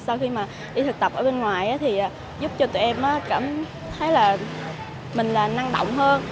sau khi mà đi thực tập ở bên ngoài thì giúp cho tụi em cảm thấy là mình năng động hơn